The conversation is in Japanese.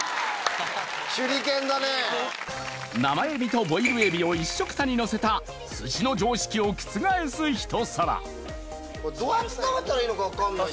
生えびとボイルえびを一緒くたにのせた寿司の常識を覆すひと皿どう食べたらいいのか分かんない。